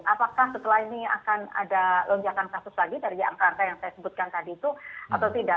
apakah setelah ini akan ada lonjakan kasus lagi dari angka angka yang saya sebutkan tadi itu atau tidak